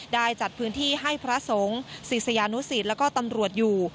ได้จัดพื้นที่ให้พระสงฆ์ศิษยานุสิตแล้วก็ตำรวจอยู่